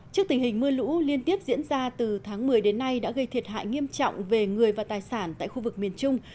trước tình hình mưa lũ liên tiếp diễn ra từ tháng một mươi đến nay đã gây thiệt hại nghiêm trọng về người và tài sản tại khu vực miền trung